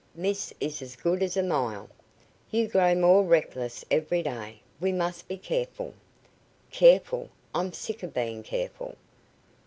"Miss is as good as a mile." "You grow more reckless, every day. We must be careful." "Careful! I'm sick of being careful."